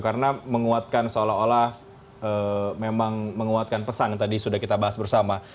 karena menguatkan seolah olah memang menguatkan pesan yang tadi sudah kita bahas bersama